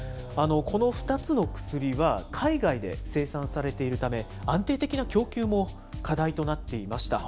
この２つの薬は、海外で生産されているため、安定的な供給も課題となっていました。